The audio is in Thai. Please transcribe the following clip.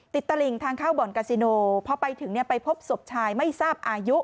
ตลิงทางเข้าบ่อนกาซิโนพอไปถึงไปพบศพชายไม่ทราบอายุ